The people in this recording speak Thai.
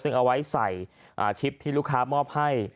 ซึ่งวางไว้บนเคาน์เตอร์ซึ่งเอาไว้ใส่อาทิตย์ที่ลูกค้ามอบให้